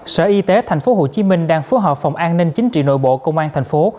sở y tế tp hcm đang phối hợp phòng an ninh chính trị nội bộ công an thành phố